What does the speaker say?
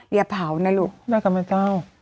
อย่าเผานะลุคได้กับพ่อเจ้า